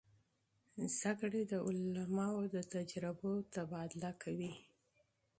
تعلیم د علماوو د تجربو تبادله کوي.